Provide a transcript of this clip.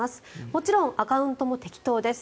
もちろんアカウントも適当です。